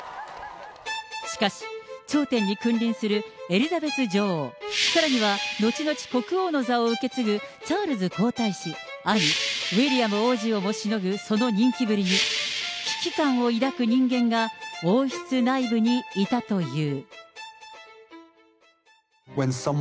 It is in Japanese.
しかし、頂点に君臨するエリザベス女王、さらには後々、国王の座を受け継ぐチャールズ皇太子、兄、ウィリアム王子をもしのぐその人気ぶりに、危機感を抱く人間が王室内部にいたという。